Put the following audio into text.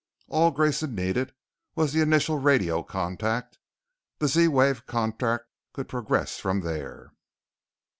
All Grayson needed was the initial radio contact, the Z wave contact could progress from there.